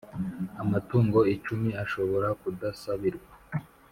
Amatungo icumi ashobora kudasabirwa